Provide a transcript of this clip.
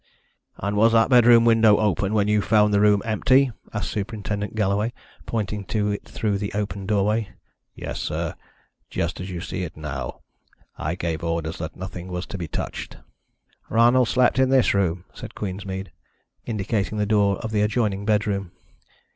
"And was that bedroom window open when you found the room empty?" asked Superintendent Galloway, pointing to it through the open doorway. "Yes, sir just as you see it now. I gave orders that nothing was to be touched." "Ronald slept in this room," said Queensmead, indicating the door of the adjoining bedroom.